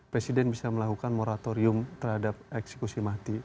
presiden bisa melakukan moratorium terhadap eksekusi mati